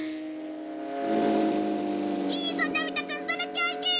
いいぞのび太くんその調子！